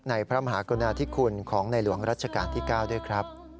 พระมหากรุณาธิคุณของในหลวงรัชกาลที่๙ด้วยครับ